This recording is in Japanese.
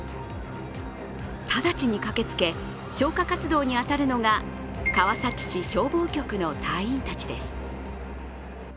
直ちに駆けつけ、消火活動に当たるのが川崎市消防局の隊員たちです。